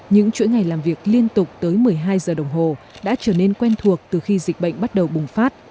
những chuỗi ngày làm việc liên tục tới một mươi hai giờ đồng hồ đã trở nên quen thuộc từ khi dịch bệnh bắt đầu bùng phát